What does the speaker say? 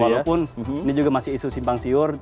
walaupun ini juga masih isu simpang siur